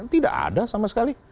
tidak ada sama sekali